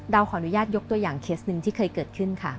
ขออนุญาตยกตัวอย่างเคสหนึ่งที่เคยเกิดขึ้นค่ะ